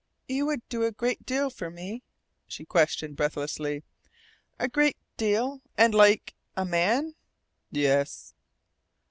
"You would do a great deal for me?" she questioned breathlessly. "A great deal and like A MAN?" "Yes."